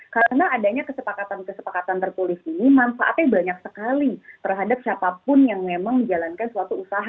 karena adanya kesepakatan kesepakatan tertulis ini manfaatnya banyak sekali terhadap siapapun yang memang menjalankan suatu usaha